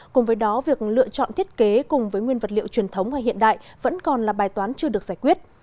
cùng với đó việc lựa chọn thiết kế cùng với nguyên vật liệu truyền thống và hiện đại vẫn còn là bài toán chưa được giải quyết